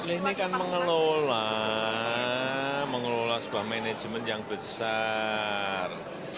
ini kan mengelola sebuah manajemen yang besar